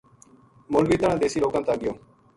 مولوی تنہاں دیسی لوکاں تا گیو